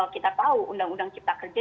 kita tahu undang undang cipta kerja